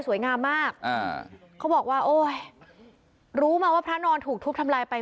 งามมากอ่าเขาบอกว่าโอ้ยรู้มาว่าพระนอนถูกทุบทำลายไป